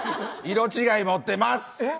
色違い持ってます。